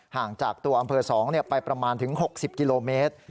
ห่างจากตัวอำเภอ๒ไปประมาณถึง๖๐กิโลเมตร